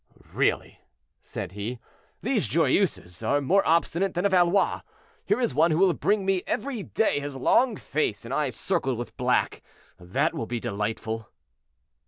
"Really," said he, "these Joyeuses are more obstinate than a Valois. Here is one who will bring me every day his long face and eyes circled with black; that will be delightful."